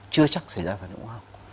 chưa chắc xảy ra phản ứng hoa học